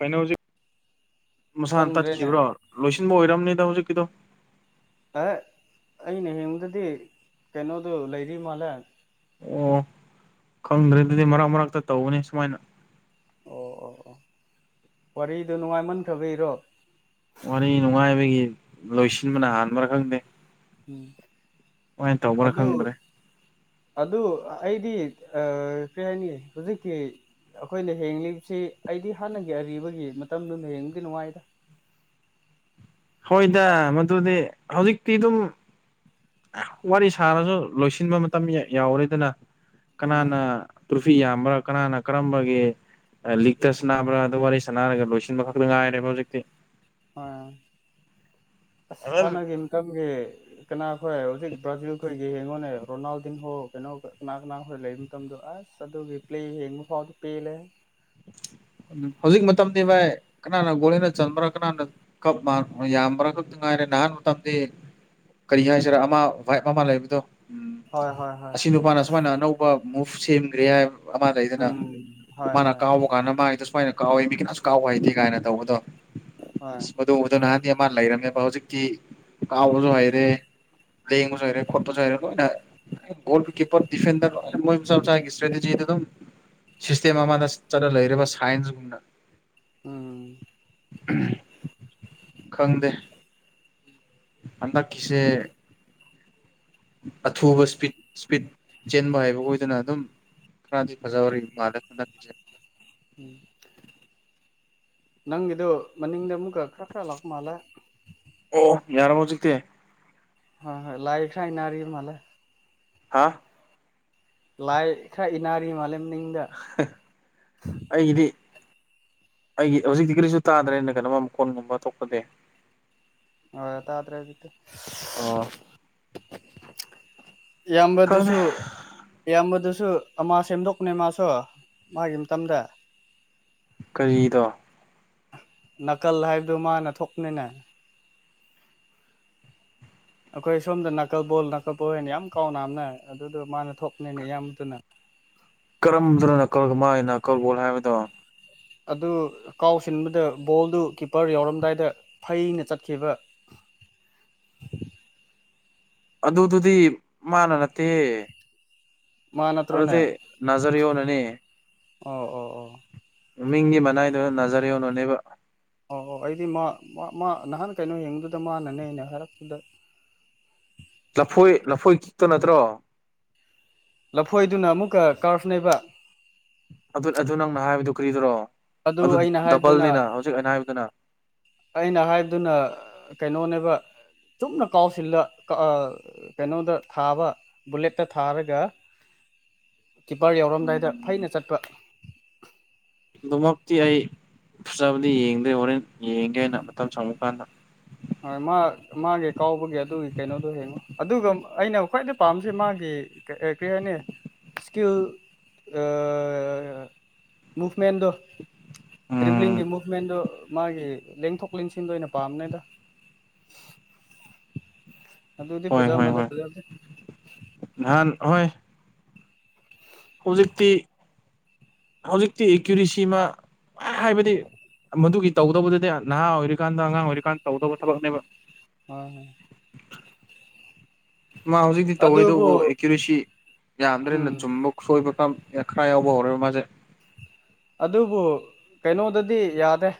ꯀꯩꯅꯣ ꯍꯧꯖꯤꯛ ꯃꯁꯥꯅ ꯈꯪꯗ꯭ꯔꯦꯅꯦ ꯇꯠꯈꯤꯕ꯭ꯔꯣ ꯂꯣꯏꯁꯤꯟꯕ ꯑꯣꯏꯔꯝꯅꯤꯗ ꯍꯧꯖꯤꯛ ꯀꯤꯗꯣ ꯑꯦ ꯑꯩꯅ ꯌꯦꯡꯗꯗꯤ ꯀꯩꯅꯣꯗꯨ ꯂꯩꯔꯤ ꯃꯥꯜꯂꯦ ꯑꯣ ꯈꯪꯗ꯭ꯔꯦ ꯑꯗꯨꯗꯤ ꯃꯔꯛ ꯃꯔꯛꯇ ꯇꯧꯕꯅꯤ ꯁꯨꯃꯥꯏꯅ ꯑꯣ ꯑꯣ ꯑꯣ ꯋꯥꯔꯤꯗꯣ ꯅꯨꯡꯉꯥꯏꯃꯟ ꯈ꯭ꯔ ꯕꯩꯔꯣ ꯋꯥꯔꯤ ꯅꯨꯡꯉꯥꯏꯕꯒꯤ ꯂꯣꯏꯁꯤꯟꯕꯅ ꯍꯥꯟꯕꯔ ꯈꯪꯗꯦ ꯎꯝ ꯗꯨꯃꯥꯏ ꯇꯧꯕ꯭ꯔꯥ ꯑꯗꯨ ꯈꯪꯗ꯭ꯔꯦ ꯑꯗꯨ ꯑꯩꯗꯤ ꯑ ꯀꯩ ꯍꯥꯏꯅꯤ ꯍꯧꯖꯤꯛꯀꯤ ꯑꯈꯣꯏꯅ ꯍꯡꯂꯤꯕꯁꯤ ꯑꯩꯗꯤ ꯍꯥꯟꯅꯒꯤ ꯑꯔꯤꯕꯒꯤ ꯃꯇꯝꯗꯨꯅ ꯍꯦꯟꯂꯗ ꯅꯨꯡꯉꯥꯏꯕ ꯍꯣꯏꯗ ꯃꯗꯨꯗꯤ ꯍꯧꯖꯤꯛꯇꯤ ꯗꯨꯝ ꯑ ꯋꯥꯔꯤ ꯁꯥꯔꯖꯨ ꯂꯣꯏꯁꯤꯟꯕ ꯃꯇꯝ ꯌꯥꯎꯔꯦꯗꯅ ꯎꯝ ꯀꯅꯥꯅ ꯇ꯭ꯔꯨꯐꯤ ꯌꯥꯝꯕ꯭ꯔꯥ ꯀꯅꯥꯅ ꯀꯔꯝꯕꯒꯤ ꯂꯤꯛꯇ ꯁ꯭ꯅꯥꯕ꯭ꯔꯥ ꯑꯗ ꯋꯥꯔꯤ ꯁꯥꯟꯅꯔꯒ ꯂꯣꯏꯁꯤꯟꯕ ꯈꯛꯇ ꯉꯥꯏꯔꯦꯕ ꯍꯧꯖꯤꯛꯇꯤ ꯍꯣꯏ ꯑꯁ ꯍꯥꯟꯅꯒꯤ ꯃꯇꯝꯒꯤ ꯀꯅꯥ ꯍꯣꯏ ꯍꯧꯖꯤꯛ ꯕ꯭ꯔꯥꯖꯤꯜꯈꯣꯏꯒꯤ ꯉꯣꯟꯅꯦ ꯔꯣꯅꯥꯜꯗꯤꯡꯍꯣ ꯀꯩꯅꯣ ꯀꯅꯥ ꯀꯅꯥ ꯍꯣꯏ ꯂꯩꯕ ꯃꯇꯝꯗꯣ ꯑꯁ ꯑꯗꯨꯒꯤ ꯄ꯭ꯂꯦ ꯌꯦꯡꯕ ꯐꯥꯎꯗꯤ ꯄꯦꯜꯂꯦ [unintelligible] [inaudible] ꯍꯧꯖꯤꯛ ꯃꯇꯝꯗꯤ ꯚꯥꯏ ꯀꯅꯥꯅ ꯒꯣꯜ ꯍꯦꯟꯅ ꯆꯟꯕ꯭ꯔꯥ ꯀꯅꯥꯅ ꯀꯞ ꯃꯥꯟ ꯌꯥꯝꯕ꯭ꯔ ꯈꯥꯛꯇ ꯉꯥꯏꯔꯦꯗ ꯅꯍꯥꯟ ꯃꯇꯝꯗꯤ ꯀꯔꯤ ꯍꯥꯏꯁꯤꯔ ꯑꯃ ꯚꯥꯏꯞ ꯑꯝꯃ ꯂꯩꯕꯗꯣ ꯎꯝ ꯍꯣꯏ ꯍꯣꯏ ꯍꯣꯏ ꯑꯁꯤ ꯅꯨꯄꯥꯅ ꯁꯨꯃꯥꯏꯅ ꯑꯅꯧꯕ ꯃꯨꯚ ꯁꯦꯝꯒ꯭ꯔꯦ ꯍꯥꯏꯕ ꯑꯃ ꯂꯩꯗꯅ ꯎꯝ ꯍꯣꯏ ꯃꯥꯅ ꯍꯣꯏ ꯀꯥꯎꯕ ꯀꯥꯟꯗ ꯃꯥ ꯁꯨꯃꯥꯏꯅ ꯀꯥꯎꯋꯦ ꯃꯤ ꯀꯅꯥꯁꯨ ꯀꯥꯎ ꯍꯩꯇꯦ ꯀꯥꯏꯅ ꯇꯧꯕꯗꯣ ꯍꯣꯏ ꯑꯁ ꯑꯗꯨꯝꯕꯗꯣ ꯅꯍꯥꯟꯗꯤ ꯑꯃ ꯂꯩꯔꯝꯃꯦꯕ ꯍꯧꯖꯤꯛ ꯇꯤ ꯀꯥꯎꯕꯖꯨ ꯍꯩꯔꯦ ꯄ꯭ꯂꯦ ꯌꯦꯡꯕꯖꯨ ꯍꯩꯔꯦ ꯈꯣꯠꯄꯖꯨ ꯍꯩꯔꯦ ꯂꯣꯏꯅ ꯒꯣꯜꯀꯤꯄ꯭ꯔ ꯗꯤꯐꯦꯟꯗꯔ ꯃꯣꯏ ꯃꯆꯥ ꯃꯆꯥꯒꯤ ꯁ꯭ꯇꯔꯦꯇꯤꯖꯤ ꯑꯗꯨꯝ ꯁꯤꯁꯇꯦꯝ ꯑꯃꯗ ꯆꯠꯂ ꯂꯩꯔꯦꯕ ꯁꯥꯏꯟꯁꯒꯨꯝꯅ ꯎꯝ ꯈꯪꯗꯦ [inaudible] ꯍꯟꯗꯛꯀꯤꯁꯦ ꯑꯊꯨꯕ ꯁ꯭ꯄꯤꯠ ꯁ꯭ꯄꯤꯠ ꯆꯦꯟꯕ ꯍꯥꯏꯕ ꯈꯣꯏꯗꯨꯅ ꯑꯗꯨꯝ ꯈꯥꯔꯗꯤ ꯐꯖꯍꯧꯔꯤꯕ ꯃꯥꯂꯦ ꯍꯟꯗꯛꯀꯤꯁꯦ ꯎꯝ ꯅꯪ ꯑꯗꯨꯗꯨ ꯃꯅꯤꯡꯗ ꯑꯃꯨꯛ ꯀ ꯈ꯭ꯔ ꯈ꯭ꯔ ꯂꯥꯛꯄ ꯃꯥꯂꯦ ꯑꯣ ꯌꯥꯔꯕꯣ ꯍꯧꯖꯤꯛꯇꯤ ꯍ ꯂꯥꯏꯐ ꯁꯥꯟꯅꯔꯤꯕ ꯃꯥꯂꯦ ꯍꯥꯥ ꯂꯥꯏꯐ ꯈꯥꯔ ꯏꯟꯅꯔꯤ ꯃꯥꯂꯦ ꯃꯅꯤꯡꯗ ꯑꯩꯒꯤꯗꯤ ꯑꯩꯒꯤ ꯍꯧꯖꯤꯛꯇꯤ ꯀꯔꯤꯁꯨ ꯇꯥꯗ꯭ꯔꯦꯅ ꯀꯩꯅꯣꯝ ꯃꯈꯣꯟꯒꯨꯝꯕ ꯊꯣꯛꯄꯗꯤ ꯑꯥ ꯇꯥꯗ꯭ꯔꯦ ꯍꯧꯖꯤꯛꯇꯤ ꯑꯣ ꯈꯪꯗꯦ ꯏꯌꯥꯝꯕꯗꯨꯁꯨ ꯏꯌꯥꯝꯕꯗꯨꯁꯨ ꯑꯗꯨꯨ ꯑꯃ ꯁꯦꯝꯗꯣꯛꯄꯅꯦ ꯃꯥꯁꯨ ꯃꯥꯒꯤ ꯃꯇꯝꯗ ꯀꯔꯤꯗ ꯅꯥꯀꯜ ꯍꯥꯏꯕꯗꯨ ꯃꯥꯅ ꯊꯣꯛꯄꯅꯤꯅꯦ ꯑꯩꯈꯣꯏ ꯁꯣꯝꯗ ꯅꯥꯀꯜ ꯕꯣꯜ ꯅꯥꯀꯜꯕꯣꯜꯅ ꯌꯥꯝ ꯀꯥꯎꯅꯝꯅꯦ ꯑꯗꯨꯗꯣ ꯃꯥꯅ ꯊꯣꯛꯄꯅꯤꯅꯦ ꯏꯌꯥꯝꯕꯗꯨꯅ ꯀꯔꯝꯗꯅꯣ ꯅꯥꯀꯜꯒ ꯃꯥꯥꯏꯒꯤ ꯅꯥꯀꯜꯕꯣꯜ ꯍꯥꯏꯕꯗꯣ ꯑꯗꯨ ꯀꯥꯎꯁꯤꯟꯕꯗꯨ ꯕꯣꯜꯗꯨ ꯀꯤꯞꯄꯔ ꯌꯥꯎꯔꯝꯗꯥꯏꯗ ꯐꯩꯅ ꯆꯠꯈꯤꯕ [inaudible] ꯑꯗꯨꯗꯨꯗꯤ ꯃꯥꯅ ꯅꯠꯇꯦ ꯃꯥ ꯅꯠꯇ꯭ꯔꯣꯅꯦ ꯑꯗꯨꯗꯤ ꯅꯖꯔꯤꯌꯣ ꯅꯅꯦ ꯑꯣ ꯑꯣ ꯑꯣ ꯃꯃꯤꯡꯒꯤ ꯃꯅꯥꯏꯗꯨꯗ ꯅꯥꯖꯔ ꯌꯣꯅꯨꯅꯦꯕ ꯑꯣ ꯑꯣ ꯑꯩꯗꯤ ꯃꯥ ꯃꯥ ꯃꯥ ꯅꯍꯥꯟ ꯀꯩꯅꯣ ꯌꯦꯡꯗꯨꯗ ꯃꯥꯅꯅꯦ ꯅꯍꯥꯏꯔꯛꯇꯨꯗ ꯂꯐꯣꯏ ꯂꯐꯣꯏ ꯀꯤꯛꯇꯣ ꯅꯠꯇ꯭ꯔꯣ ꯂꯐꯣꯏꯗꯨꯅ ꯑꯃꯨꯛꯀ ꯀꯥꯔꯐꯅꯦꯕ ꯑꯗꯨ ꯑꯗꯨ ꯅꯪꯅ ꯍꯥꯏꯕꯗꯨ ꯀ꯭ꯔꯤꯗꯨꯔꯣ ꯑꯗꯨ ꯑꯩꯅ ꯍꯥꯏꯕꯗꯨꯅ ꯗꯕꯜꯅꯤꯅ ꯍꯧꯖꯤꯛ ꯑꯩꯅ ꯍꯥꯏꯕꯗꯨꯅ ꯑꯩꯅ ꯍꯥꯏꯕꯗꯨꯅ ꯀꯩꯅꯣꯅꯦꯕ ꯆꯨꯝꯅ ꯀꯥꯎꯁꯤꯜꯂ ꯀꯩꯅꯣꯗ ꯊꯥꯕ ꯕꯨꯂꯦꯠꯇ ꯊꯥꯔꯒ [inaudible] ꯀꯤꯞꯄꯔ ꯌꯥꯎꯔꯝꯗꯥꯏꯗ ꯎꯝ ꯐꯩꯅ ꯆꯠꯄ ꯑꯗꯨꯃꯛꯇꯤ ꯑꯩ ꯐꯖꯕꯗꯤ ꯌꯦꯡꯗꯦ ꯍꯣꯔꯦꯟ ꯌꯦꯡꯒꯦꯅ ꯎꯝ ꯃꯇꯝ ꯁꯪꯉ ꯀꯥꯟꯗ ꯍꯣꯏ ꯃꯥ ꯃꯥꯒꯤ ꯀꯥꯎꯕꯒꯤ ꯑꯗꯨꯒꯤ ꯀꯩꯅꯣꯗꯨ ꯍꯡꯉꯣ ꯑꯗꯨꯒ ꯑꯩꯅ ꯈ꯭ꯋꯥꯏꯗꯩ ꯄꯥꯝꯕꯁꯤ ꯃꯥꯒꯤ ꯀꯩ ꯍꯥꯏꯅꯤ ꯏꯁ꯭ꯀꯤꯜ ꯑ ꯃꯨꯚꯃꯦꯟꯗꯣ ꯎꯝ ꯗ꯭ꯔꯤꯕꯂꯤꯡꯒꯤ ꯃꯨꯚꯃꯦꯟꯗꯣ ꯃꯥꯒꯤ ꯂꯦꯡꯊꯣꯛ ꯂꯦꯡꯁꯤꯟꯗ ꯑꯣꯏꯅ ꯄꯥꯝꯅꯦꯗ ꯑꯗꯨꯗꯤ ꯍꯣꯏ ꯐꯖꯥ ꯍꯣꯏ ꯃꯥꯂꯦ ꯍꯣꯏ ꯐꯖꯗ ꯅꯍꯥꯟ ꯍꯣꯏ ꯍꯧꯖꯤꯛꯇꯤ ꯍꯧꯖꯤꯛꯇꯤ ꯑꯦꯀꯨꯏꯔꯦꯁꯤ ꯃꯥ ꯍꯥꯏꯕꯗꯤ ꯃꯗꯨꯒꯤ ꯇꯧꯗꯧꯕꯗꯨꯗꯤ ꯅꯍꯥ ꯑꯣꯏꯔꯤꯀꯥꯟꯗ ꯑꯉꯥꯡ ꯑꯣꯏꯔꯤꯀꯥꯟꯗ ꯇꯧꯗꯧꯕ ꯊꯕꯛꯅꯦꯕ ꯍꯣꯏ ꯃꯥ ꯍꯧꯖꯤꯛꯇꯤ ꯑꯗꯨꯕꯨ ꯇꯧꯋꯦꯗꯕꯨ ꯑꯦꯀꯨꯏꯔꯦꯁꯤ ꯌꯥꯝꯗ꯭ꯔꯦꯅ ꯎꯝ ꯆꯨꯝꯕ ꯁꯣꯏꯕ ꯌꯥꯈꯥ ꯌꯥꯎꯕ ꯍꯧꯔꯦꯕ ꯃꯥꯖꯦ ꯑꯗꯨꯕꯨ ꯀꯩꯅꯣꯗꯗꯤ ꯌꯥꯗꯦ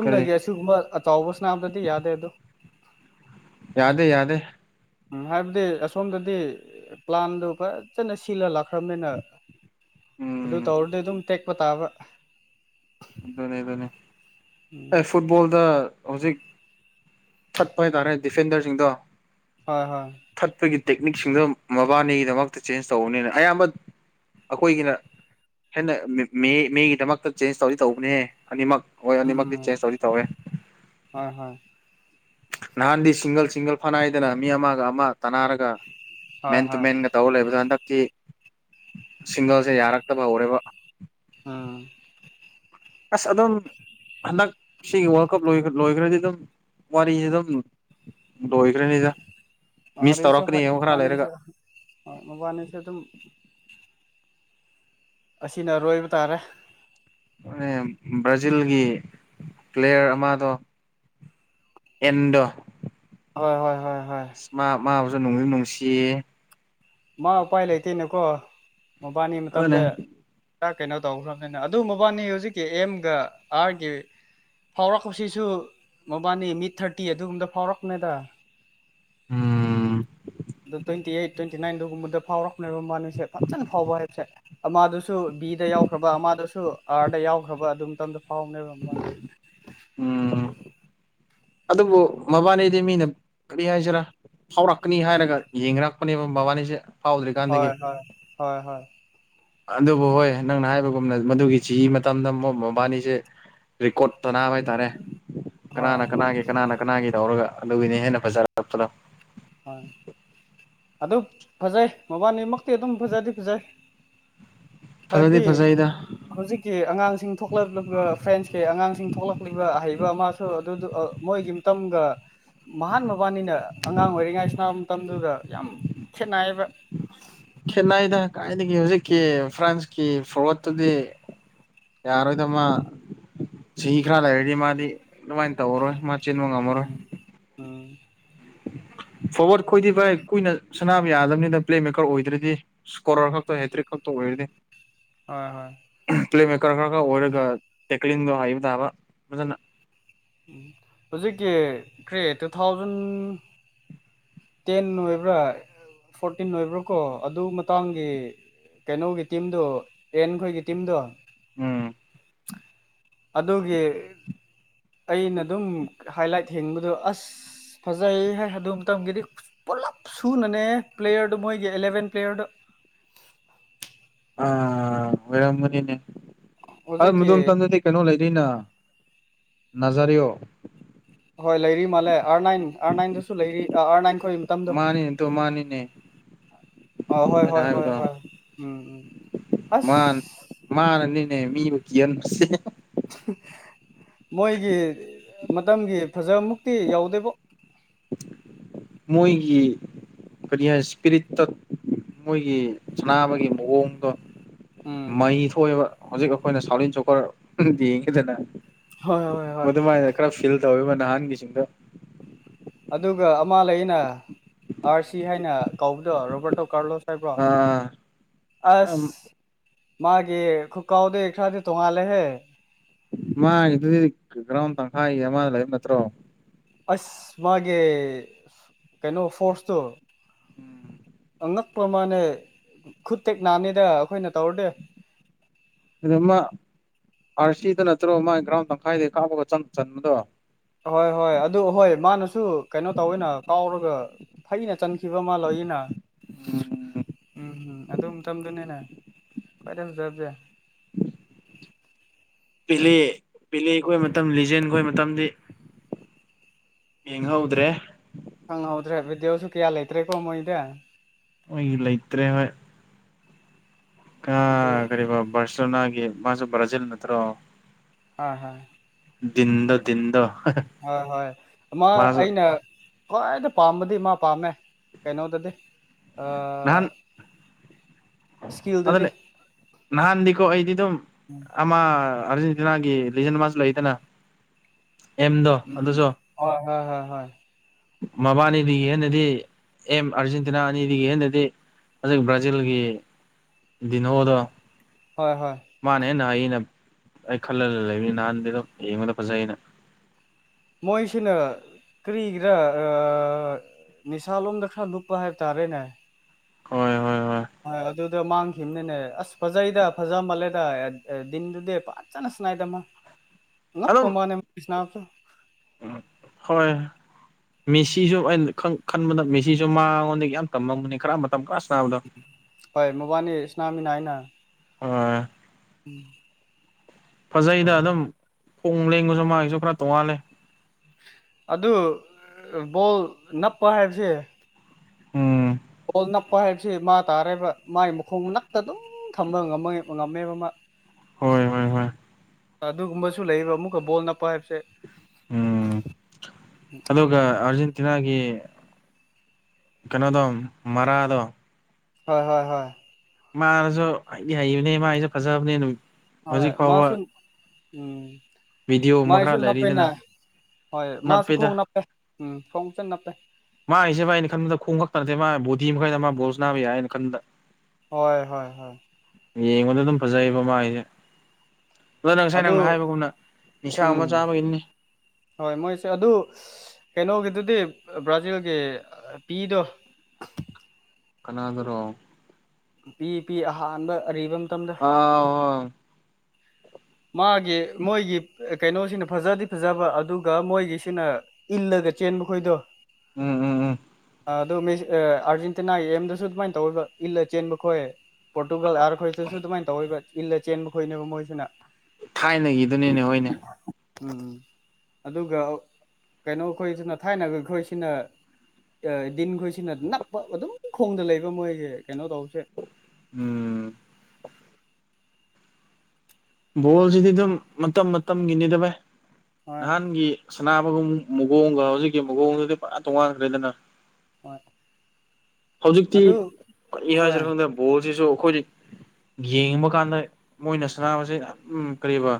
ꯀꯔꯤ ꯑꯁꯤꯒꯨꯝꯕ ꯇꯧꯕꯁꯥꯅ ꯕꯗꯗꯤ ꯌꯥꯗꯦ ꯑꯗꯨ ꯌꯥꯗꯦ ꯌꯥꯗꯦ ꯎꯝ ꯍꯥꯏꯕꯗꯤ ꯑꯁꯣꯝꯗꯗꯤ ꯄ꯭ꯂꯥꯟꯗꯨ ꯐꯖꯅ ꯁꯤꯜꯂ ꯂꯥꯛꯈ꯭ꯔꯕꯅꯤꯅ ꯑꯗꯨ ꯎꯝ ꯇꯧꯔꯗꯤ ꯑꯗꯨꯝ ꯇꯦꯛꯄ ꯇꯥꯕ ꯑꯗꯨꯅꯦ ꯑꯗꯨꯅꯦ ꯎꯝ ꯑꯦ ꯐꯨꯠꯕꯣꯜꯗ ꯍꯧꯖꯤꯛ ꯊꯛꯄ ꯍꯥꯏꯇꯥꯔꯦ ꯗꯤꯐꯦꯟꯗꯔꯁꯤꯡꯗꯣ ꯍꯣꯏ ꯍꯣꯏ ꯊꯠꯄꯒꯤ ꯇꯦꯛꯅꯤꯛꯁꯤꯡꯗꯣ ꯃꯕꯥꯅꯤꯒꯤꯗꯃꯛꯇ ꯆꯦꯟꯖ ꯇꯧꯕꯅꯤꯅ ꯑꯌꯥꯝꯕ ꯑꯩꯈꯣꯏꯒꯤꯅ ꯍꯦꯅꯅꯦ ꯃꯤꯒꯤꯗꯃꯛꯇ ꯆꯦꯟꯁ ꯇꯧꯕꯅꯦꯍꯦ ꯑꯅꯤꯃꯛ ꯍꯣꯏ ꯎꯝ ꯑꯅꯤꯃꯛꯀꯤ ꯆꯦꯁ ꯇꯧꯗꯤ ꯇꯧꯋꯦ ꯍꯣꯏ ꯍꯣꯏ ꯅꯍꯥꯟꯗꯤ ꯁꯤꯡꯒꯜ ꯁꯤꯡꯒꯜ ꯐꯅꯥꯏꯗꯅ ꯃꯤ ꯑꯃꯒ ꯑꯃꯒ ꯇꯅꯥꯔꯒ ꯍꯣꯏ ꯃꯦꯟ ꯍꯣꯏ ꯇꯨꯃꯦꯟꯒ ꯇꯧꯔ ꯂꯩꯕꯗꯣ ꯍꯟꯗꯛ ꯇꯤ ꯁꯤꯡꯒꯜꯁꯦ ꯌꯥꯔꯛꯇꯕ ꯍꯧꯔꯦꯕ ꯑꯥ ꯑꯁ ꯑꯗꯨꯝ ꯍꯟꯗꯛ ꯁꯤꯒꯤ ꯋꯥꯔꯜ ꯀꯞ ꯂꯣꯏꯈ꯭ꯔꯗꯤ ꯑꯗꯨꯝ ꯋꯥꯔꯤꯁꯤ ꯑꯗꯨꯝ ꯂꯣꯏꯈ꯭ꯔꯅꯤꯗ ꯃꯤꯁ ꯑꯥꯔ ꯑꯁꯨ ꯍ ꯇꯧꯔꯛꯀꯅꯤ ꯌꯦꯡꯉꯣ ꯈꯔ ꯂꯩꯔꯒ ꯃꯣꯕꯅꯤꯁꯨ ꯃꯣꯕꯥꯅꯤꯁꯨ ꯑꯗꯨꯝ ꯑꯁꯤꯅ ꯑꯔꯣꯏꯕ ꯇꯥꯔꯦ ꯕ꯭ꯔꯥꯖꯤꯜꯒꯤ ꯄ꯭ꯂꯦꯌꯔ ꯑꯃꯗꯣ ꯑꯦꯟꯗꯣ ꯍꯣꯏ ꯍꯣꯏ ꯍꯣꯏ ꯍꯣꯏ ꯃ ꯃꯕꯨꯖꯨ ꯅꯨꯡꯗꯤ ꯅꯨꯡꯁꯤꯌꯦ ꯃꯥ ꯎꯄꯥꯏ ꯂꯩꯇꯦꯅꯀꯣ ꯃꯕꯥꯅꯤ ꯃꯇꯝꯗ ꯑꯗꯨꯅꯦ ꯈ ꯀꯩꯅꯣ ꯇꯧꯈ꯭ꯔꯕꯅꯤꯅ ꯑꯗꯨ ꯃꯕꯥꯅꯤ ꯍꯧꯖꯤꯛꯀꯤ ꯑꯦꯝꯒ ꯑꯥꯔꯒꯤ ꯐꯥꯎꯔꯛꯄꯁꯤꯁꯨ ꯃꯕꯥꯅꯤ ꯃꯤꯠ ꯊꯥꯔꯇꯤ ꯑꯗꯨꯒꯨꯝꯕꯗ ꯐꯥꯎꯔꯛꯄꯅꯦꯗ ꯎꯝ ꯑꯗꯨꯣ ꯇ꯭ꯋꯦꯟꯇꯤ ꯑꯩꯠ ꯇ꯭ꯋꯦꯟꯇꯤ ꯅꯥꯏꯟꯗꯨꯒꯨꯝꯕꯗ ꯐꯥꯎꯔꯛꯅꯦꯕ ꯃ ꯃꯥꯅꯁꯦ ꯐꯖꯅ ꯐꯥꯎꯕ ꯍꯥꯏꯕꯁꯦ ꯑꯃꯗꯨꯁꯨ ꯕꯤꯗ ꯌꯥꯎꯈ꯭ꯔꯕ ꯑꯃꯗꯁꯨ ꯑꯥꯔꯗ ꯌꯥꯎꯈ꯭ꯔꯕ ꯑꯗꯨ ꯃꯇꯝꯗ ꯐꯥꯎꯅꯦꯕ ꯑꯃ ꯎꯝ ꯑꯗꯨꯕꯨ ꯃꯕꯥꯅꯤꯗꯤ ꯃꯤꯅ ꯀꯔꯤ ꯍꯥꯏꯁꯤꯔꯥ ꯐꯥꯎꯔꯛꯀꯅꯤ ꯍꯥꯏꯔꯒ ꯌꯦꯡꯅꯔꯛꯄꯅꯦꯕ ꯃꯥꯕꯥꯅꯤꯁꯦ ꯍꯣꯏ ꯍꯣꯏ ꯍꯣꯏ ꯍꯣꯏ ꯑꯗꯨꯕꯨ ꯍꯣꯏ ꯅꯪꯅ ꯍꯥꯏꯕꯒꯨꯝꯅ ꯃꯗꯨꯒꯤ ꯆꯤ ꯃꯇꯝꯗ ꯃ ꯃꯕꯥꯅꯤꯁꯦ ꯔꯦꯀꯣꯔꯠ ꯇꯅꯥꯕ ꯍꯥꯏꯇꯥꯔꯦ ꯍꯣꯏ ꯀꯅꯥꯅ ꯀꯅꯥꯒꯤ ꯀꯅꯥꯅ ꯀꯅꯥꯒꯤ ꯇꯧꯔꯒ ꯑꯗꯨꯒꯤꯅꯦ ꯍꯦꯟꯅ ꯐꯖꯔꯛꯄꯗꯣ ꯍꯣꯏ ꯑꯗꯨ ꯐꯖꯩ ꯃꯕꯥꯅꯤꯃꯛꯇꯤ ꯑꯗꯨꯝ ꯐꯖꯗꯤ ꯐꯖꯩ ꯐꯖꯗꯤ ꯍꯥꯏꯕꯗꯤ ꯐꯖꯩꯗ ꯍꯧꯖꯤꯛꯀꯤ ꯑꯉꯥꯡꯁꯤꯡ ꯊꯣꯛꯂꯛꯂꯤꯕ ꯐ꯭ꯔꯦꯟꯁꯀꯤ ꯑꯉꯥꯡꯁꯤꯡ ꯊꯣꯛꯂꯛꯂꯤꯕ ꯑꯍꯩꯕ ꯑꯃ ꯑꯗꯨ ꯃꯣꯏꯒꯤ ꯃꯇꯝꯒ ꯃꯍꯥꯟ ꯃꯕꯥꯅꯤꯅ ꯑꯉꯥꯡ ꯑꯣꯏꯔꯤ ꯉꯥꯏ ꯁꯅꯕ ꯃꯇꯝꯗꯨꯗ ꯌꯥꯝ ꯈꯦꯠꯅꯩꯌꯦꯕ ꯈꯦꯠꯅꯩꯏꯗ ꯀꯥꯏꯗꯒꯤ ꯍꯧꯖꯤꯛꯀꯤ ꯐ꯭ꯔꯥꯟꯁꯀꯤ ꯐꯣꯔꯋꯥꯠꯇꯨꯗꯤ ꯌꯥꯔꯣꯏꯗ ꯃꯥ ꯆꯍꯤ ꯈꯔ ꯂꯩꯔꯗꯤ ꯃꯥꯗꯤ ꯑꯗꯨꯃꯥꯏꯅ ꯇꯧꯔꯔꯣꯏ ꯆꯦꯟꯕ ꯉꯝꯃꯔꯣꯏ ꯎꯝ ꯎ ꯐꯣꯔꯋꯥꯔꯗ ꯈꯣꯏꯗꯤ ꯚꯥꯏ ꯀꯨꯏꯅ ꯁꯅꯥꯕ ꯌꯥꯗꯕꯅꯤꯗ ꯄ꯭ꯂꯦꯃꯦꯀꯔ ꯑꯣꯏꯗ꯭ꯔꯗꯤ ꯏꯁꯀꯣꯔꯔ ꯈꯛꯇ ꯍꯦꯇ꯭ꯔꯤꯛ ꯈꯛꯇ ꯑꯣꯏꯔꯗꯤ ꯍꯣꯏ ꯍꯣꯏ ꯄꯂꯦꯝꯃꯦꯀꯔ ꯈꯔ ꯈꯔ ꯑꯣꯏꯔꯒ ꯇꯦꯛꯀꯂꯤꯛꯗꯣ ꯍꯩꯏꯕ ꯇꯥꯕ ꯐꯖꯅ ꯎꯝ ꯍꯧꯖꯤꯛꯀꯤ ꯀ꯭ꯔꯤ ꯇꯨ ꯊꯥꯎꯖꯟ ꯇꯦꯟ ꯑꯣꯏꯕ꯭ꯔꯥ ꯐꯣꯔꯇꯤꯟ ꯑꯣꯏꯕ꯭ꯔꯥ ꯀꯣ ꯑꯗꯨ ꯃꯇꯥꯡꯒꯤ ꯀꯩꯅꯣꯒꯤ ꯇꯤꯝꯗꯣ ꯑꯦꯟ ꯈꯣꯏꯒꯤ ꯇꯤꯝꯗꯣ ꯎꯝ ꯑꯗꯨꯒꯤ ꯑꯩꯅ ꯑꯗꯨꯝ ꯍꯥꯏꯂꯥꯏꯠ ꯍꯤꯡꯕꯗꯣ ꯑꯁ ꯐꯖꯩ ꯍꯥꯏ ꯑꯗꯨ ꯃꯇꯝꯒꯤꯗꯤ ꯄꯨꯂꯞ ꯁꯨꯅꯅꯦ ꯄ꯭ꯂꯦꯌꯔꯗꯣ ꯃꯣꯏꯒꯤ ꯑꯦꯂꯚꯦꯟ ꯄ꯭ꯂꯦꯌꯔꯗ [inaudible] ꯑꯥ ꯑꯣꯏꯔꯝꯒꯅꯤꯅꯦ ꯑ ꯍꯧꯖꯤꯛꯀꯤ ꯃꯗꯣꯝ ꯃꯇꯝꯗꯗꯤ ꯀꯩꯅꯣ ꯂꯩꯔꯤꯅ ꯅꯖꯔꯤꯌꯣ ꯍꯣꯏ ꯂꯩꯔꯤ ꯃꯥꯜꯂꯦ ꯑꯥꯔ ꯅꯥꯏꯟ ꯑꯥꯔ ꯅꯥꯏꯟꯗꯁꯨ ꯂꯩꯔꯤ ꯑꯥꯔ ꯅꯥꯏꯟ ꯈꯣꯏ ꯃꯇꯝꯗꯣ ꯃꯥꯅꯤꯅꯦ ꯇꯨ ꯃꯥꯅꯤꯅꯦ ꯑ ꯍꯣꯏ ꯑꯩꯅ ꯍꯣꯏ ꯍꯣꯏ ꯍꯥꯏꯕꯗꯣ ꯍꯣꯏ ꯎꯝ ꯎꯝ ꯑꯁ ꯃꯥ ꯃꯥꯅꯅꯤꯅꯦ ꯃꯤꯕꯨ ꯀꯤꯍꯟꯕꯁꯦ ꯃꯣꯏꯒꯤ ꯃꯇꯝꯒꯤ ꯐꯖꯕ ꯃꯨꯛꯇꯤ ꯌꯧꯎꯗꯦꯕꯨ [unintelligible] ꯑꯩꯈꯣꯏꯒꯤ ꯀꯔꯤ ꯍꯥꯏ ꯏꯁꯄꯤꯔꯤꯠꯇ ꯃꯣꯏꯒꯤ ꯁꯅꯥꯅꯕꯒꯤ ꯃꯑꯣꯡꯗꯣ ꯎꯝ ꯃꯩ ꯊꯣꯛꯑꯦꯕ ꯍꯧꯖꯤꯛ ꯑꯩꯈꯣꯏꯅ ꯁꯥꯎꯂꯤꯟ ꯆꯣꯀꯔ ꯌꯦꯡꯉꯤꯗꯅ ꯍꯣꯏ ꯍꯣꯏ ꯍꯣꯏ ꯃꯗꯨꯃꯥꯏꯅ ꯈꯔ ꯐꯤꯜ ꯇꯧꯋꯦꯕ ꯅꯍꯥꯟꯒꯤꯁꯤꯡꯗ ꯑꯗꯨꯒ ꯑꯃ ꯂꯩ ꯑꯩꯅ ꯑꯥꯔ ꯁꯤ ꯍꯥꯏꯅ ꯀꯧꯕꯗꯣ ꯔꯣꯕꯥꯔꯇꯣ ꯀꯥꯔꯂꯣꯁ ꯍꯥꯏꯕ꯭ꯔꯣ ꯑꯥ ꯑꯁ ꯃꯥꯒꯤ ꯈꯨ ꯀꯥꯎꯗꯨ ꯈ꯭ꯔꯗꯤ ꯇꯣꯉꯥꯜꯂꯦꯍꯦ ꯃꯥꯒꯤꯗꯨꯗꯤ ꯒ꯭ꯔꯥꯎꯟ ꯇꯪꯈꯥꯏꯒꯤ ꯑꯃꯗ ꯂꯩꯕ ꯅꯠꯇ꯭ꯔꯣ ꯑꯁ ꯃꯥꯒꯤ ꯀꯩꯅꯣ ꯐꯣꯔꯁꯇꯣ ꯎꯝ ꯑꯉꯛꯄ ꯑꯃꯅꯦ ꯈꯨ ꯇꯦꯛ ꯅꯥꯅꯤꯗ ꯑꯩꯈꯣꯏꯅ ꯇꯧꯔꯗꯤ ꯑꯗꯨ ꯃꯥ ꯑꯥꯔ ꯁꯤꯗ ꯅꯠꯇ꯭ꯔꯣ ꯃꯥꯒꯤ ꯒ꯭ꯔꯥꯎꯟ ꯇꯪꯈꯥꯏꯗꯒꯤ ꯀꯥꯞꯄꯒ ꯆꯪ ꯆꯟꯕꯗꯣ ꯑꯍꯣꯏ ꯍꯣꯏ ꯑꯗꯨ ꯑꯍꯣꯏ ꯃꯥꯅꯁꯨ ꯀꯩꯅꯣ ꯇꯧꯋꯦꯅ ꯀꯥꯎꯔꯒ ꯐꯩꯅ ꯆꯟꯈꯤꯕ ꯃꯥ ꯂꯩꯌꯦꯅ ꯎꯝ ꯎꯝꯝ ꯑꯗꯨ ꯃꯇꯝꯗꯨꯅꯤꯅꯦ ꯈꯋꯥꯏꯗꯩ ꯐꯖꯕꯁꯦ ꯄꯦꯂꯦ ꯄꯦꯂꯦ ꯈꯣꯏ ꯃꯇꯝ ꯂꯤꯖꯦꯟ ꯈꯣꯏ ꯃꯇꯝꯗꯤ ꯌꯦꯡ ꯍꯧꯗ꯭ꯔꯦ ꯈꯪꯍꯧꯗ꯭ꯔꯦ ꯕꯤꯗꯤꯑꯣꯁꯨ ꯀꯌꯥ ꯂꯩꯇ꯭ꯔꯦꯀꯣ ꯃꯣꯏꯗꯤ ꯃꯣꯏꯒꯤ ꯂꯩꯇ꯭ꯔꯦ ꯍꯣꯏ ꯀꯥ ꯑꯗꯨ ꯀꯔꯤꯕ ꯕꯥꯔꯁꯦꯂꯣꯅꯥꯒꯤ ꯃꯥꯁꯨ ꯕ꯭ꯥꯔꯖꯤꯜ ꯅꯠꯇ꯭ꯔꯣ ꯑꯥ ꯍꯥ ꯗꯤꯟꯗꯣ ꯗꯤꯟꯗꯣ ꯍꯣꯏ ꯍꯣꯏ ꯑꯃ ꯃꯥꯁꯨ ꯑꯩꯅ ꯈ꯭ꯋꯥꯏꯗꯩ ꯄꯥꯝꯕꯗꯤ ꯃꯥ ꯄꯥꯝꯃꯦ ꯀꯩꯅꯣꯗꯗꯤ ꯑꯥ ꯅꯍꯥꯟ ꯏꯁꯀꯤꯜꯗꯗꯤ ꯑꯗꯨꯅꯦ ꯅꯍꯥꯟꯗꯤꯀꯣ ꯑꯩꯗꯤ ꯗꯨꯝ ꯑꯃ ꯑꯥꯔꯖꯦꯟꯇꯤꯅꯥꯒꯤ ꯂꯤꯖꯟ ꯃꯥꯁꯨ ꯂꯩꯗꯅ ꯑꯦꯝꯗꯣ ꯑꯗꯨꯁꯨ ꯍꯣꯏ ꯍꯣꯏ ꯍꯣꯏ ꯍꯣꯏ ꯃꯕꯥꯅꯤꯗꯒꯤ ꯍꯦꯟꯅꯗꯤ ꯑꯦꯝ ꯑꯥꯔꯖꯦꯟꯇꯤꯅꯥ ꯑꯅꯤꯗꯒꯤ ꯍꯦꯟꯅꯗꯤ ꯍꯧꯖꯤꯛ ꯕ꯭ꯔꯥꯖꯤꯜꯒꯤ ꯗꯤꯅꯣꯗꯣ ꯍꯣꯏ ꯍꯣꯏ ꯃꯥꯅ ꯍꯦꯟꯅ ꯍꯩꯌꯦ ꯑꯩꯅ ꯑꯩ ꯈꯜꯂ ꯂꯩꯕꯅꯤ ꯅꯍꯥꯟꯗꯤꯗꯨ ꯌꯦꯡꯕꯗ ꯐꯖꯩꯩꯅ ꯃꯣꯏꯁꯤꯅ ꯀꯔꯤꯒꯤꯔꯥ ꯑꯥ ꯅꯤꯁꯥꯂꯣꯝꯗ ꯈꯔ ꯅꯨꯞꯄ ꯍꯥꯏꯕ ꯇꯥꯔꯦꯅꯦ ꯍꯣꯏ ꯍꯣꯏ ꯍꯣꯏ ꯑꯥ ꯑꯗꯨ ꯗꯣ ꯃꯥꯡꯈꯤꯕꯅꯤꯅꯦ ꯑꯁ ꯐꯖꯩꯗ ꯐꯖ ꯃꯥꯜꯂꯦꯗ ꯗꯤꯟꯗꯨꯗꯤ ꯐꯖꯅ ꯁꯅꯥꯏꯗ ꯑꯃ ꯑꯉꯛꯄ ꯑꯗꯨꯝ ꯃꯥꯅꯦ ꯁꯅꯥꯕꯁꯨ ꯍꯣꯏ ꯃꯦꯁꯤꯁꯨ ꯑꯩꯅ ꯈꯟ ꯈꯟꯕꯗ ꯃꯦꯁꯤꯁꯨ ꯃꯉꯣꯟꯗꯒꯤ ꯌꯥꯝ ꯇꯝꯃꯝꯒꯅꯤ ꯈꯔ ꯑꯃ ꯍꯣꯏ ꯃꯕꯥꯅꯤ ꯁꯅꯥꯃꯤꯅꯩꯅ ꯑꯥ ꯎꯝ ꯐꯖꯩꯗ ꯑꯗꯨꯝ ꯈꯣꯡ ꯂꯦꯡꯉꯁꯨ ꯃꯥꯒꯤꯁꯨ ꯄꯣꯔ ꯇꯣꯡꯉꯥꯜꯂꯦ ꯑꯗꯨ ꯕꯣꯜ ꯅꯞꯄ ꯍꯥꯏꯕꯁꯦ ꯎꯝ ꯍꯣꯜ ꯅꯛꯄ ꯍꯥꯏꯕꯁꯤ ꯃꯥ ꯇꯥꯔꯦꯕ ꯃꯥꯥꯏ ꯃꯈꯣꯡ ꯅꯞꯇ ꯗꯨꯝ ꯈꯝꯕ ꯉꯝꯃꯦ ꯑꯣꯂꯝꯃꯦꯕ ꯃꯥ ꯍꯣꯏ ꯍꯣꯏ ꯍꯣꯏ ꯑꯗꯨꯒꯨꯝꯕꯁꯨ ꯂꯩꯌꯦꯕ ꯑꯃꯨꯛꯀ ꯕꯣꯜꯅ ꯄꯥꯏꯕꯁꯦ ꯎꯝ ꯑꯗꯨꯒ ꯑꯔꯖꯦꯟ ꯇꯤꯅꯥꯒꯤ ꯀꯩꯅꯣꯗꯣ ꯃꯔꯥꯗꯣ ꯍꯣꯏ ꯍꯣꯏ ꯍꯣꯏ ꯃꯥꯔꯥꯁꯨ ꯍꯩꯗꯤ ꯍꯩꯕꯅꯦ ꯃꯥꯒꯤꯁꯨ ꯐꯖꯕꯅꯦ ꯗꯨꯝ ꯍꯣꯏ ꯃꯥꯁꯨ ꯎꯝ ꯚꯤꯗꯤꯑꯣ ꯑꯃ ꯃꯥꯥꯏꯁꯨ ꯈꯔ ꯅꯞꯄꯦꯅꯥ ꯂꯩꯔꯤꯗꯅ ꯍꯣꯏ ꯃꯥꯁꯨ ꯈꯣꯡ ꯅꯞꯄꯦꯗ ꯅꯞꯄꯦ ꯎꯝ ꯈꯣꯡ ꯐꯖ ꯅꯞꯄꯦ ꯃꯥꯒꯤꯁꯦ ꯃꯥꯏ ꯑꯩꯅ ꯈꯟꯕꯗ ꯈꯣꯡ ꯈꯛꯇ ꯅꯠꯇꯦ ꯃꯥ ꯕꯣꯗꯤ ꯃꯈꯩꯗ ꯃꯥ ꯕꯣꯜ ꯁꯅꯥꯕ ꯌꯥꯏꯌꯦꯅ ꯈꯟꯕꯗ ꯍꯣꯏ ꯍꯣꯏ ꯍꯣꯏ ꯌꯦꯡꯕꯗ ꯑꯗꯨꯝ ꯐꯖꯩꯌꯦꯕ ꯃꯥꯒꯤꯁꯦ ꯑꯣ ꯅꯪ ꯉꯁꯥꯏ ꯑꯗꯨ ꯅꯪꯅ ꯍꯥꯏꯕꯒꯨꯝꯅ ꯅꯤꯁꯥ ꯑꯃ ꯎꯝ ꯆꯥꯕꯒꯤꯅꯤ ꯍꯣꯏ ꯃꯣꯏꯁꯦ ꯑꯗꯨ ꯀꯩꯅꯣ ꯒꯤ ꯑꯗꯨꯗꯤ ꯕ꯭ꯔꯥꯖꯤꯜꯒꯤ ꯄꯤꯗꯣ ꯀꯅꯥꯗꯔꯣ ꯄꯤ ꯄꯤ ꯑꯍꯥꯟꯕ ꯑꯔꯤꯕꯝ ꯑꯥ ꯃꯥꯒꯤ ꯃꯣꯏꯒꯤ ꯀꯩꯅꯣꯁꯤꯅ ꯐꯖꯗꯤ ꯐꯖꯕ ꯑꯗꯨꯒ ꯃꯣꯏꯒꯤꯁꯤꯅ ꯏꯜꯂ ꯗ ꯆꯦꯟꯕ ꯈꯣꯏꯗꯣ ꯎꯝ ꯎꯝ ꯎꯝ ꯑꯗꯨ ꯃꯤꯁ ꯑꯦ ꯑꯥꯔꯖꯦꯟꯇꯤꯅꯥꯒꯤ ꯑꯦꯝꯗꯁꯨ ꯑꯗꯨꯃꯥꯏꯅ ꯇꯧꯔꯒ ꯏꯜꯂ ꯆꯦꯟꯕ ꯈꯣꯏ ꯄꯣꯔꯇꯨꯒꯥꯜ ꯑꯥꯔ ꯈꯣꯏꯁꯤꯁꯨ ꯑꯗꯨꯃꯥꯏꯅ ꯇꯧꯋꯦꯕ ꯏꯜꯂ ꯆꯦꯟꯕ ꯈꯣꯏꯅꯦꯕ ꯃꯣꯏꯁꯤꯅ ꯊꯥꯏꯅꯒꯤꯗꯨꯅꯤꯅꯦ ꯍꯣꯏꯅꯦ ꯎꯝ ꯑꯗꯨꯒ ꯀꯩꯅꯣ ꯈꯣꯏꯁꯤꯅ ꯊꯥꯏꯅꯒ ꯑꯩꯈꯣꯏꯁꯤꯅ ꯑꯥ ꯗꯤꯟꯈꯣꯏꯁꯤꯅ ꯅꯞꯄ ꯑꯗꯨꯝ ꯈꯣꯡꯗ ꯂꯩꯕ ꯃꯣꯏꯁꯦ ꯀꯩꯅꯣ ꯇꯧꯁꯦ ꯎꯝ ꯕꯣꯜꯁꯤꯗꯤ ꯑꯗꯨꯝ ꯃꯇꯝ ꯃꯇꯝꯒꯤꯅꯤꯗ ꯚꯥꯏ ꯍꯣꯏ ꯅꯍꯥꯟꯒꯤ ꯁꯅꯥꯕꯒꯨꯝ ꯃꯨꯒꯣꯡꯒ ꯍꯧꯖꯤꯛꯀꯤ ꯃꯑꯣꯡꯗꯨꯗꯤ ꯄꯨꯔꯥ ꯇꯣꯉꯥꯟꯈ꯭ꯔꯦꯗꯅ ꯍꯣꯏ ꯍꯧꯖꯤꯛꯇꯤ ꯑꯗꯨ ꯀꯔꯤ ꯍꯣꯏ ꯍꯥꯏꯖꯤꯔ ꯈꯟꯗꯦ ꯕꯣꯜꯁꯤꯁꯨ ꯑꯩꯈꯣꯏꯗꯤ ꯌꯦꯡꯕ ꯀꯥꯟꯗ ꯃꯣꯏꯅ ꯁꯅꯥꯁꯦ ꯎꯝ ꯀꯔꯤꯕ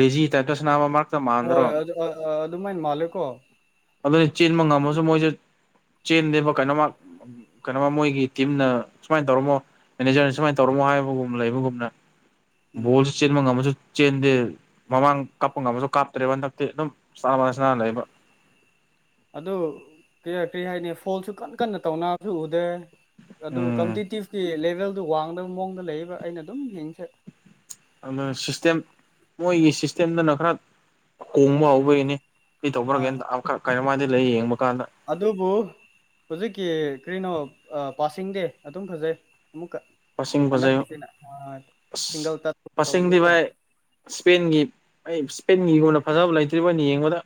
ꯂꯦꯖꯤ ꯇꯥꯏꯞꯇ ꯁꯅꯥꯕ ꯑꯃ ꯍꯣꯏ ꯑꯗꯨ ꯑꯥ ꯑꯥ ꯑꯗꯨꯃꯥꯏꯅ ꯃꯥꯜꯂꯦꯀꯣ ꯑꯗꯨꯅꯤ ꯆꯦꯟꯕ ꯉꯝꯃꯁꯨ ꯃꯣꯏꯖꯦ ꯆꯦꯟꯗꯦꯕ ꯀꯩꯅꯣꯃ ꯀꯩꯅꯣꯃ ꯃꯣꯏꯒꯤ ꯇꯤꯝꯅ ꯁꯨꯃꯥꯏꯅ ꯇꯧꯔꯝꯃꯣ ꯃꯦꯅꯦꯖꯔꯅ ꯁꯨꯃꯥꯏꯅ ꯇꯧꯔꯝꯃꯣ ꯍꯥꯏꯕꯒꯨꯝꯅ ꯂꯩꯕꯒꯨꯝꯅ ꯎꯝ ꯕꯣꯜꯁꯤ ꯆꯦꯟꯕ ꯉꯝꯃꯁꯨ ꯆꯦꯟꯗꯤ ꯃꯃꯥꯡ ꯀꯥꯞꯄ ꯉꯝꯝꯕꯁꯨ ꯀꯥꯞꯇ꯭ꯔꯦꯕ ꯍꯟꯗꯛꯇꯤ ꯑꯗꯨꯝ ꯆꯥꯕ ꯁꯅꯥ ꯂꯩꯕ [inaudible] ꯑꯗꯨ ꯀꯔꯤꯇꯤ ꯍꯥꯏꯅꯤ ꯐꯣꯜꯁꯨ ꯀꯟꯅ ꯀꯟꯅ ꯇꯧꯅꯕꯁꯨ ꯎꯗꯦ ꯑꯗꯨ ꯎꯝ ꯀꯝꯄꯤꯇꯤꯇꯤꯚꯀꯤ ꯂꯦꯚꯦꯜꯗꯨ ꯋꯥꯡꯗꯕ ꯃꯑꯣꯡꯗ ꯂꯩꯑꯦꯕ ꯑꯩꯅ ꯑꯗꯨꯝ ꯌꯦꯡꯁꯦ ꯑꯃ ꯁꯤꯁꯇꯦꯝ ꯃꯣꯏꯒꯤ ꯁꯤꯁꯇꯦꯝꯗꯅ ꯈꯔ ꯀꯣꯡꯕ ꯍꯧꯕꯒꯤꯅꯤ ꯀ꯭ꯔꯤ ꯍꯣꯏ ꯇꯧꯕꯒꯦꯟ ꯍꯣꯏ ꯑꯃꯈꯛ ꯀꯩꯅꯣꯃꯥꯏꯗꯤ ꯂꯩ ꯌꯦꯡꯕ ꯀꯥꯟꯗ ꯑꯗꯨꯕꯨ ꯍꯧꯖꯤꯛꯀꯤ ꯀ꯭ꯔꯤꯅꯣ ꯑꯥ ꯄꯥꯁꯤꯡꯗꯤ ꯑꯗꯨꯝ ꯐꯖꯩ ꯑꯃꯨꯛꯀ ꯃꯁꯤꯡ ꯐꯖꯩ ꯍꯟꯗꯛꯀꯤꯁꯤꯅ ꯑꯥ ꯁꯤꯡꯒꯜ ꯑꯁ [unintelligible] ꯃꯁꯤꯡꯗꯤ ꯇꯧꯕꯗꯨꯀꯣ ꯚꯥꯏ ꯏꯁꯄꯦꯟꯒꯤ ꯑꯩ ꯏꯁꯄꯦꯟꯒꯤ ꯕꯣꯜꯅ ꯐꯖꯕ ꯂꯩꯇ꯭ꯔꯤꯕꯣ ꯑꯩꯅ ꯌꯦꯡꯕꯗ